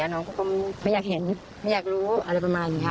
น้องเขาก็ไม่อยากเห็นไม่อยากรู้อะไรประมาณอย่างนี้ค่ะ